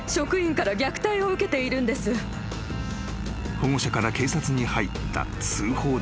［保護者から警察に入った通報だった］